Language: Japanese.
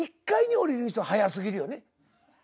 １階に下りるにしては早すぎるよね。